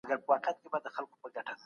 د چاپېریال پېښو د ده پر طبعې اغېز وکړ.